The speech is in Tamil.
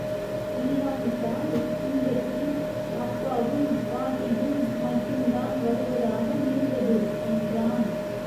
இல்லாவிட்டால், இந்த டிரிப் அப்பாவும், பாட்டியும் மட்டும்தான் வருவதாக இருந்தது, என்றான்.